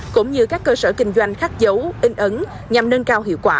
cũng như các cơ sở kinh doanh khắc dấu in ấn nhằm nâng cao hiệu quả